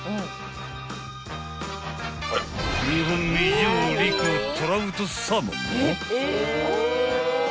［日本未上陸トラウトサーモンも］